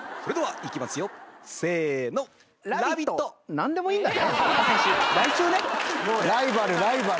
何でもいいんだね。